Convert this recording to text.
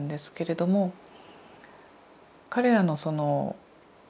彼らのその。